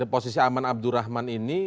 posisi aman abdurrahman ini